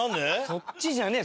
そっちじゃねえ。